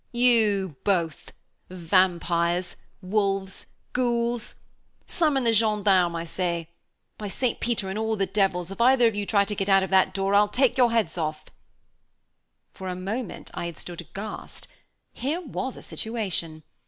you! both vampires, wolves, ghouls. Summon the gendarmes, I say. By St. Peter and all the devils, if either of you try to get out of that door I'll take your heads off." For a moment I had stood aghast. Here was a situation!